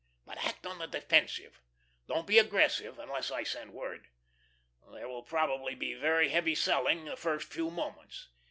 But act on the defensive. Don't be aggressive, unless I send word. There will probably be very heavy selling the first few moments.